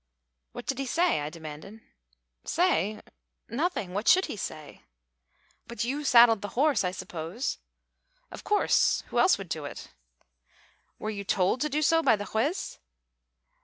"What did he say?" I demanded. "Say? Nothing what should he say?" "But you saddled the horse, I suppose?" "Of course. Who else would do it?" "Were you told to do so by the Juez?"